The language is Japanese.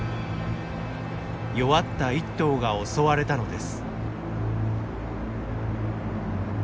弱った１頭が襲われたのです。